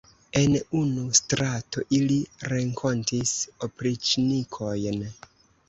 En unu strato ili renkontis opriĉnikojn.